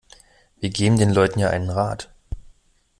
Wir geben den Leuten ja einen Rat.